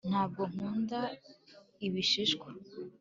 ntabwo nkunda ibishishwa